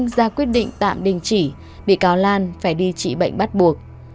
ra quyết định tạm đình chỉ bị cáo lan phải đi trị bệnh bắt buộc